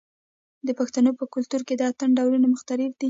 د پښتنو په کلتور کې د اتن ډولونه مختلف دي.